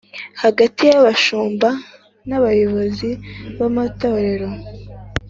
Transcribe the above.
hagati y Abashumba n Abayobozi b amatorero